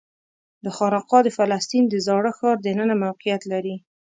دا خانقاه د فلسطین د زاړه ښار دننه موقعیت لري.